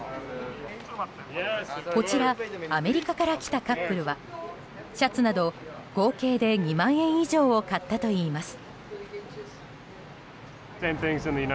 こちら、アメリカから来たカップルはシャツなど合計で２万円以上を買ったといいます。